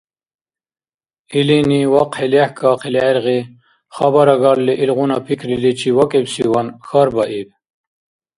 Илини, вахъхӀи лехӀкахъили гӀергъи, хабарагарли илгъуна пикриличи вакӀибсиван, хьарбаиб